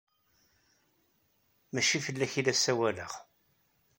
Maci fell-ak ay la ssawaleɣ.